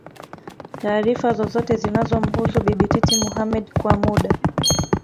taarifa zozote zinazomhusu Bibi Titi Mohamed Kwa muda